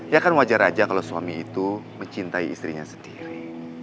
ya kan wajar aja kalau suami itu mencintai istrinya sendiri